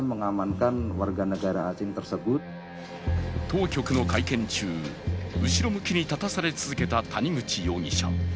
当局の会見中、後ろ向きに立たされ続けた谷口容疑者。